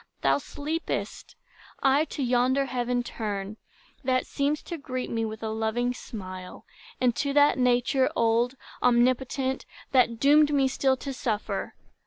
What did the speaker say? Thou sleepest; I to yonder heaven turn, That seems to greet me with a loving smile, And to that Nature old, omnipotent, That doomed me still to suffer.